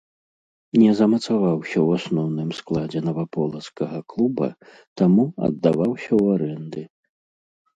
Не замацаваўся ў асноўным складзе наваполацкага клуба, таму аддаваўся ў арэнды.